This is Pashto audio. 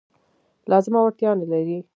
لازمه وړتیا نه لري.